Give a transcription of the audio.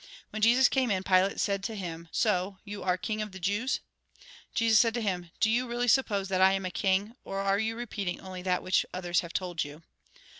When Jesus came in, Pilate said to him :" So you are king of the Jews ?" Jesus said to him :" Do you really suppose that I am a king, or are you repeating only that which others have told you